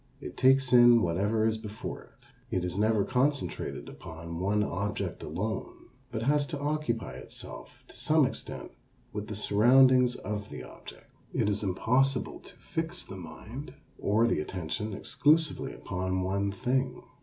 It takes in whatever is before it. It is never concentrated upon one object alone, but has to occupy itself to some extent with the surroundings of the object. It is impossible to fix the mind, or the attention, exclusively upon one thing.